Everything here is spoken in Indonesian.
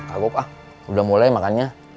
kagup ah udah mulai makannya